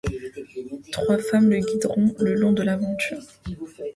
Trois femmes le guideront le long de l'aventure.